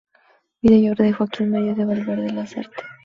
Vida y obra de Joaquín María de Valverde Lasarte.